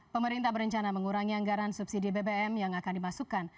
pemerintah berencana mengurangi anggaran subsidi bbm yang akan dimasukkan